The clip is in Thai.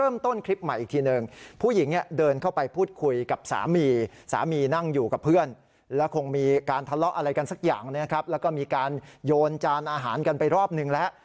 มีการทะเลาะอะไรกันสักอย่างนะครับแล้วก็มีการโยนจานอาหารกันไปรอบนึงแล้ว